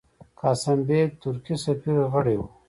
قاسم بېګ، ترکی سفیر، غړی وو.